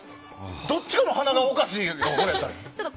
どっちかの鼻がおかしいのかなと。